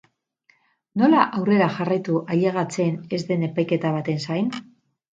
Nola aurrera jarraitu ailegatzen ez den epaiketa baten zain?